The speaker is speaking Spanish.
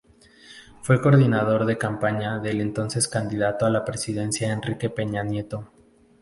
Fue coordinador de campaña del entonces candidato a la Presidencia Enrique Peña Nieto.